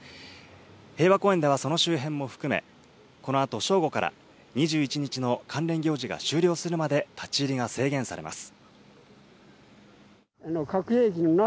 平和公園では、その周辺も含め、このあと正午から２１日の関連行事が終了するまで立ち入りが制限されます。